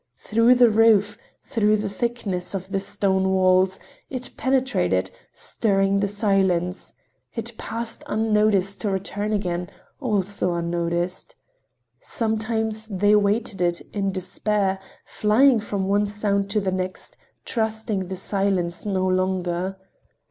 Through the roof, through the thickness of the stone walls, it penetrated, stirring the silence—it passed unnoticed, to return again, also unnoticed. Sometimes they awaited it in despair, living from one sound to the next, trusting the silence no longer.